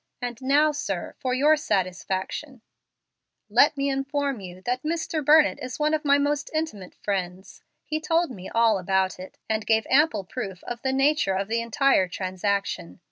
And now, sir, for your satisfaction, let me inform you that Mr. Burnett is one of my most intimate friends. He told me all about it, and gave ample proof of the nature of the entire transaction.